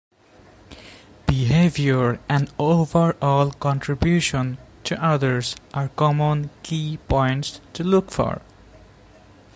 Behavior and overall contribution to others are common key points to look for.